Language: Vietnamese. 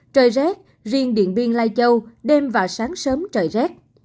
trời rết riêng điện biên lai châu đêm và sáng sớm trời rết